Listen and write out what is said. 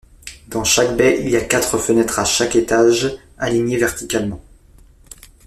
Dans chaque baie il y a quatre fenêtres à chaque étage alignées verticalement.